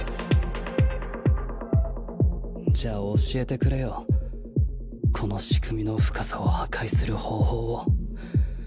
じゃあ教えてくれよこの仕組みの深さを破壊する方法を。